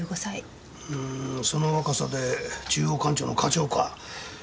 その若さで中央官庁の課長か。